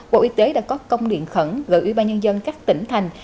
bộ y tế đã có công điện khẩn gợi ubnd các tỉnh thành